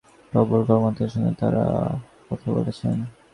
হাওরের পানি দ্রুত সরানোর বিষয়ে পাউবোর কর্মকর্তাদের সঙ্গে তাঁরা কথা বলেছেন।